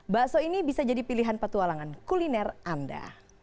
bakso ini bisa jadi pilihan petualangan kuliner anda